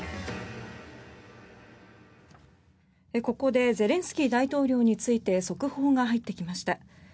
ここでゼレンスキー大統領について速報が入ってきました。